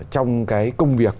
trong cái công việc